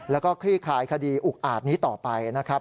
แล้วก็คลี่คลายคดีอุกอาจนี้ต่อไปนะครับ